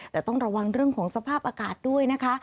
แต่ต้องระวังเรื่องของสภาพอากาศด้วยนะคะ